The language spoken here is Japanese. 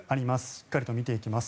しっかりと見ていきます。